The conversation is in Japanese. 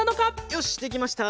よしできました！